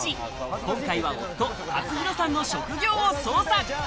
今回は夫・一祐さんの職業を捜査。